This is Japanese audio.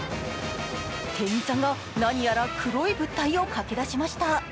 店員さんが何やら黒い物体をかけ出しました。